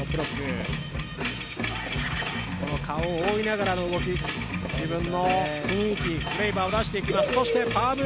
顔を覆いながらの動き、自分の雰囲気、フレーバーを出していきます。